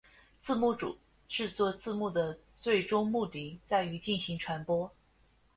字幕组制作字幕的最终目的在于进行传播。